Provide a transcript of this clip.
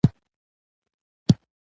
. پېښور: دانش خپرندويه ټولنه